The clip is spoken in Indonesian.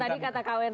kalau tadi kata kw